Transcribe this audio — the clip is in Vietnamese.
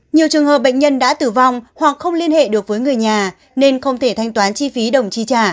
nhiều trường hợp bệnh nhân đã tử vong hoặc không liên hệ được với người nhà nên không thể thanh toán chi phí đồng chi trả